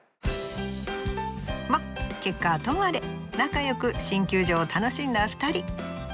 まっ結果はともあれ仲よく新球場を楽しんだ２人。